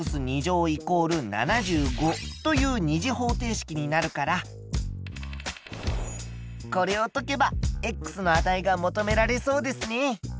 ３＝７５という二次方程式になるからこれを解けばの値が求められそうですね。